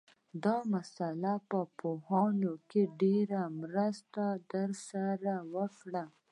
دا مسأله به په پوهاوي کې ډېره مرسته در سره وکړي